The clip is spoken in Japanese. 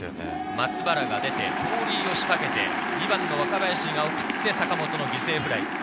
松原が出て盗塁を仕掛けて、若林が送って、坂本の犠牲フライ。